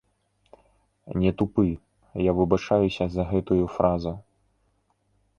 Не тупы, я выбачаюся за гэтую фразу.